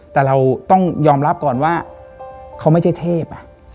แต่เราต้องยอมรับก่อนว่าเขาไม่ใช่เทพ